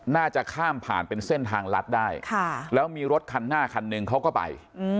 น่าจะข้ามผ่านเป็นเส้นทางลัดได้แล้วมีรถคันหน้าคันหนึ่งเขาก็ไป